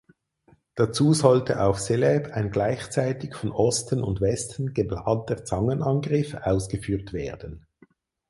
Dazu sollte auf Celebes ein gleichzeitig von Osten und Westen geplanter Zangenangriff ausgeführt werden.